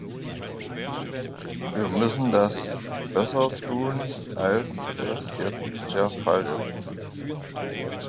Wir müssen das besser tun, als es jetzt der Fall ist.